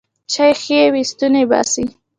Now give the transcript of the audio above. چای ښې وې، ستوماني باسي.